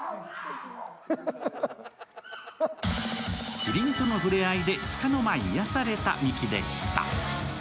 きりんとの触れ合いでつかの間癒やされたミキでした。